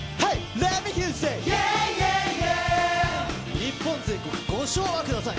日本全国ご唱和ください。